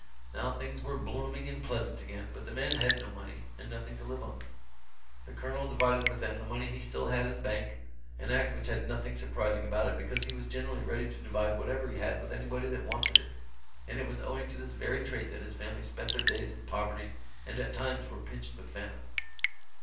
Now things were blooming and pleasant again, but the men had no money, and nothing to live on. The Colonel divided with them the money he still had in bank an act which had nothing surprising about it because he was generally ready to divide whatever he had with anybody that wanted it, and it was owing to this very trait that his family spent their days in poverty and at times were pinched with famine.